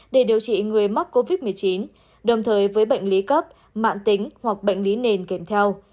để điều trị người mắc covid một mươi chín đồng thời với bệnh lý cấp mạng tính hoặc bệnh lý nền kèm theo